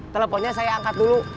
teleponnya saya angkat dulu